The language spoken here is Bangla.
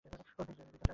অতসী দু কাপ চা এনেছিল।